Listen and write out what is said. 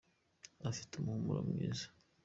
ufite umuhumuro mwiza.